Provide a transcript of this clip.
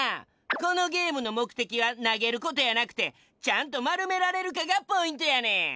このゲームのもくてきはなげることやなくてちゃんとまるめられるかがポイントやねん。